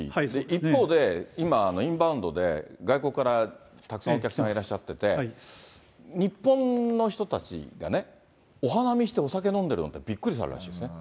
一方で、今、インバウンドで、外国からたくさんお客さんがいらっしゃってて、日本の人たちがね、お花見してお酒飲んでるのってびっくりされるんですね。